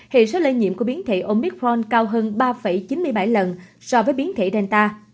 hệ số lây nhiễm của biến thể omithfron cao hơn ba chín mươi bảy lần so với biến thể relta